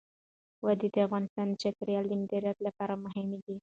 وادي د افغانستان د چاپیریال د مدیریت لپاره مهم دي.